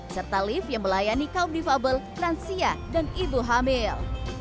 serta lift yang melayani kaum difabel lansia dan ibu hamil